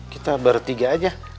kita bertiga aja